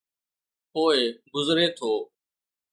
پوءِ گذري ٿو.